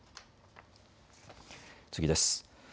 次です。